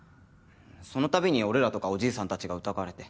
その度に俺らとかおじいさんたちが疑われて。